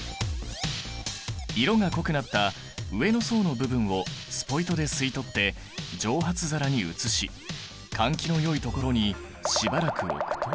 色が濃くなった上の層の部分をスポイトで吸い取って蒸発皿に移し換気のよいところにしばらく置くと。